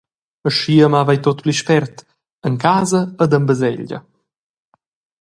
Aschia mava ei tut pli spert, en casa ed en baselgia.